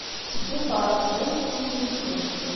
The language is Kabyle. Tteddunt ɣer Tesdawit n Tizi Wezzu.